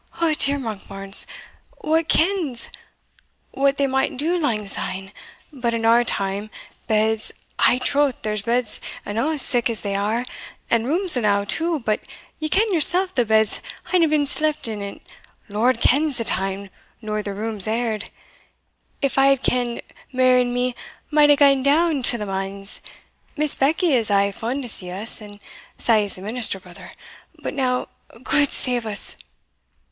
"O dear, Monkbarns! wha kens what they might do lang syne? but in our time beds ay, troth, there's beds enow sic as they are and rooms enow too but ye ken yoursell the beds haena been sleepit in, Lord kens the time, nor the rooms aired. If I had kenn'd, Mary and me might hae gaen down to the manse Miss Beckie is aye fond to see us (and sae is the minister, brother) But now, gude save us!"